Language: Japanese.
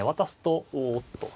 おっと。